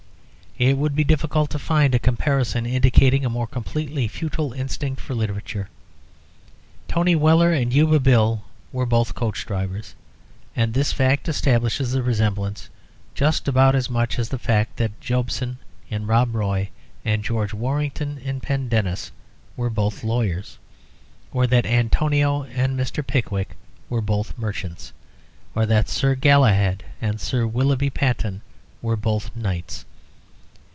It would be difficult to find a comparison indicating a more completely futile instinct for literature. Tony Weller and Yuba Bill were both coach drivers, and this fact establishes a resemblance just about as much as the fact that Jobson in "Rob Roy" and George Warrington in "Pendennis" were both lawyers; or that Antonio and Mr. Pickwick were both merchants; or that Sir Galahad and Sir Willoughby Patten were both knights.